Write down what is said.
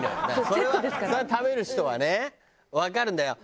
それは食べる人はねわかるんだよ。